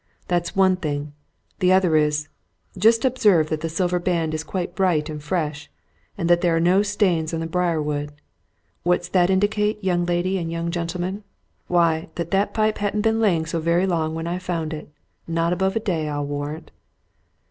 That's one thing. The other is just observe that the silver band is quite bright and fresh, and that there are no stains on the briar wood. What's that indicate, young lady and young gentleman? Why, that that pipe hadn't been lying so very long when I found it! Not above a day, I'll warrant."